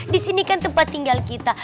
di sini kan tempat tinggal kita